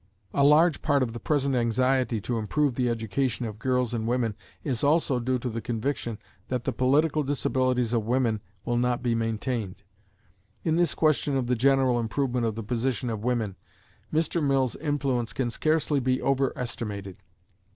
A large part of the present anxiety to improve the education of girls and women is also due to the conviction that the political disabilities of women will not be maintained. In this question of the general improvement of the position of women, Mr. Mill's influence can scarcely be over estimated.